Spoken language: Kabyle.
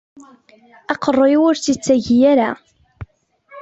Aqerru-w ur tt-ittagi ara.